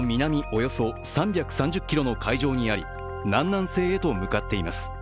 およそ３３０ｋｍの海上にあり南南西へと向かっています。